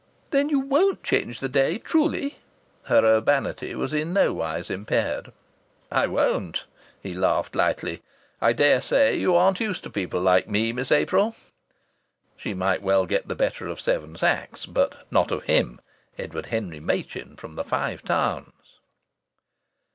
"Then you won't change the day, truly?" Her urbanity was in no wise impaired. "I won't," he laughed lightly. "I daresay you aren't used to people like me, Miss April." (She might get the better of Seven Sachs, but not of him, Edward Henry Machin from the Five Towns!)